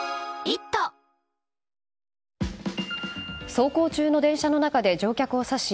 走行中の電車の中で乗客を刺し